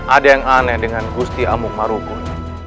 ada yang aneh dengan gusti amuk marukun